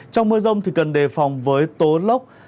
trong mưa rông cần đề phòng với tố lốc